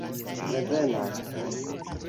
revenas